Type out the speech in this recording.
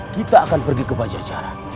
kita akan pergi ke pajajaran